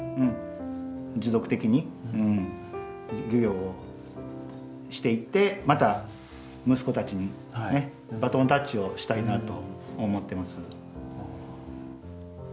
持続的に漁業をしていってまた息子たちにバトンタッチをしたいなと思ってます。